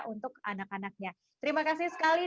untuk anak anaknya terima kasih sekali